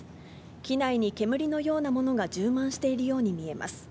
機内に煙のようなものが充満しているように見えます。